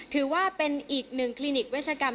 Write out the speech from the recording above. ถือว่าเป็นอีกหนึ่งคลินิกเวชกรรม